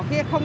có được không